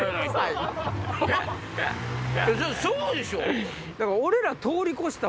そうでしょ？